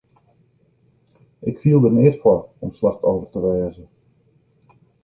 Ik fiel der neat foar om slachtoffer te wêze.